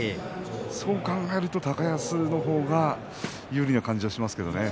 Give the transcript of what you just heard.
そう考えると高安の方が有利な感じはしますよね。